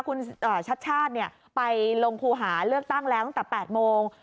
คุณชัดชาติไปลงครูหาเลือกตั้งแล้วตั้งแต่๘โมง